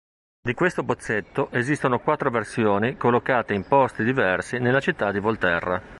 Di questo bozzetto esistono quattro versioni collocate in posti diversi nella città di Volterra.